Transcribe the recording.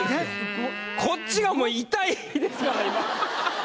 こっちがもう痛いですから今。